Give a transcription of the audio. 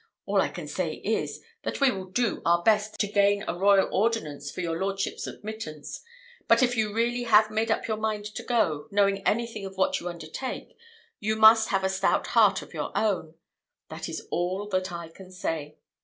All I can say is, that we will do our best to gain a royal ordonnance for your lordship's admittance; but if you really have made up your mind to go, knowing anything of what you undertake, you must have a stout heart of your own; that is all that I can say.